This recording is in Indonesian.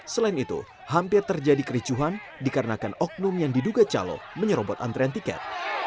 selain itu hampir terjadi kericuhan dikarenakan oknum yang diduga calo menyerobot antrean tiket